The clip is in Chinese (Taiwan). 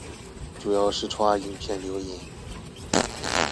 主要是抓影片留言